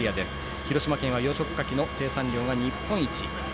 広島県は養殖ガキの生産量が日本一。